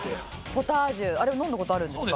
ポタージュあれ飲んだ事あるんですか？